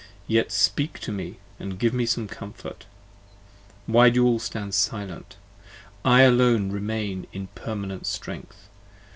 yet speak to me and give Me some comfort! why do you all stand silent? I alone Remain in permanent strength.